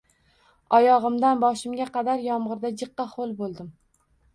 Oyogʻimdan boshimga qadar yomg'irda jiqqa ho'l bo'ldim.